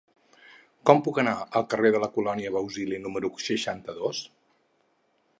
Com puc anar al carrer de la Colònia Bausili número seixanta-dos?